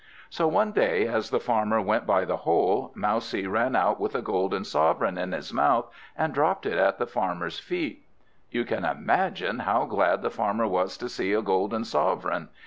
So one day, as the Farmer went by the hole, Mousie ran out with a golden sovereign in his mouth, and dropped it at the Farmer's feet. You can imagine how glad the Farmer was to see a golden sovereign.